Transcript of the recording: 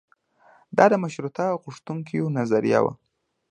دا د مشروطیه غوښتونکیو نظریه وه.